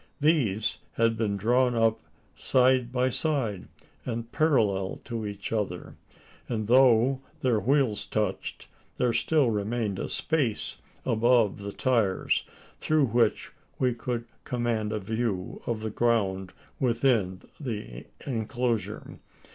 These had been drawn up side by side, and parallel to each other; and though their wheels touched, there still remained a space above the tires, through which we could command a view of the ground within the enclosure.